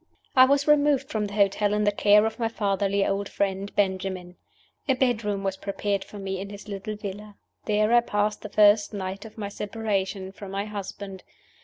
I was removed from the hotel in the care of my fatherly old friend, Benjamin. A bedroom was prepared for me in his little villa. There I passed the first night of my separation from my husband.